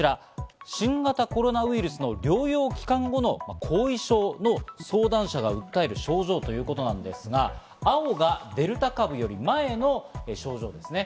新型コロナウイルスの療養期間後の後遺症の相談者が訴える症状ということですが、青がデルタ株より前の症状ですね。